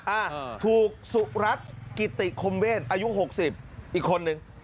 อ่าถูกสุรัตน์กิติคมเวทอายุหกสิบอีกคนนึง